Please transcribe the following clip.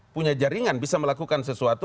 punya jaringan bisa melakukan sesuatu